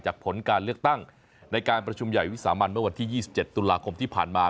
ผลการเลือกตั้งในการประชุมใหญ่วิสามันเมื่อวันที่๒๗ตุลาคมที่ผ่านมา